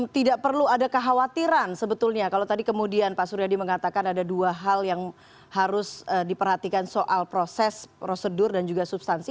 tidak perlu ada kekhawatiran sebetulnya kalau tadi kemudian pak suryadi mengatakan ada dua hal yang harus diperhatikan soal proses prosedur dan juga substansi